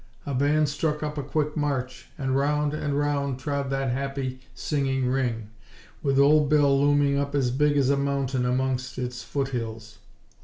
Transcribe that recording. A band struck up a quick march, and round and round trod that happy, singing ring, with Old Bill looming up as big as a mountain amongst its foothills!